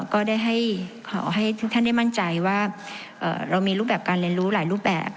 ก็ได้ขอให้ทุกท่านได้มั่นใจว่าเรามีรูปแบบการเรียนรู้หลายรูปแบบ